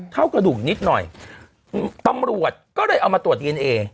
เท่ากระดูกนิดหน่อยอืมปำรวจก็เลยเอามาตรวจดีเอเนอร์